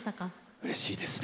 うれしいですね。